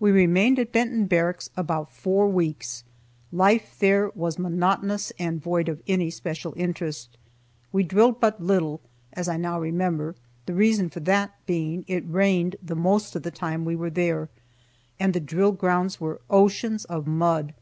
We remained at Benton Barracks about four weeks. Life there was monotonous and void of any special interest. We drilled but little, as I now remember, the reason for that being it rained the most of the time we were there and the drill grounds were oceans of mud.